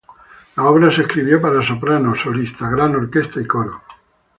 La obra se escribió para soprano solista, gran orquesta y coro.